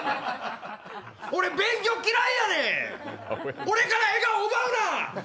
俺、勉強嫌いやねん、俺から笑顔うな。